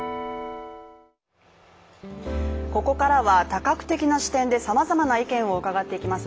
ここからは多角的な視点でさまざまな意見を伺っていきます